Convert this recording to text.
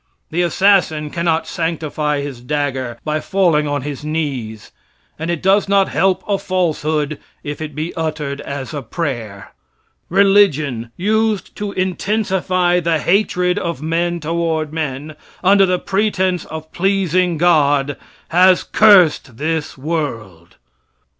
The assassin cannot sanctify his dagger by falling on his knees, and it does not help a falsehood if it be uttered as a prayer. Religion, used to intensify the hatred of men toward men, under the pretense of pleasing God, has cursed this world.